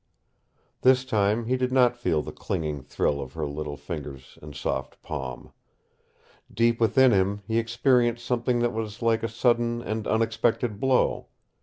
This time he did not feel the clinging thrill of her little fingers and soft palm. Deep within him he experienced something that was like a sudden and unexpected blow.